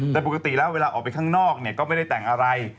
แต่ปกติแล้วเวลาออกไปข้างนอกเนี่ยก็ไม่ได้แต่งอะไร